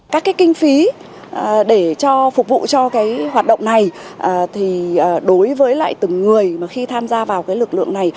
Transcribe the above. các cái kinh phí để cho phục vụ cho cái hoạt động này thì đối với lại từng người mà khi tham gia vào cái lực lượng này